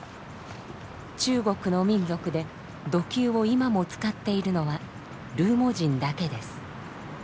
中国の民族で弩弓を今も使っているのはルーモ人だけです。